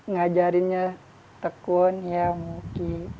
ngajarinnya tekun ya oki